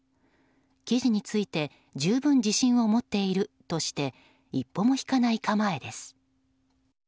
記事について十分自信を持っているとして一歩も引かない構えです。